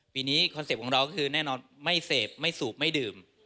ปีนี้คอนเซ็ปต์ของเราก็คือแน่นอนไม่เสพไม่สูบไม่ดื่ม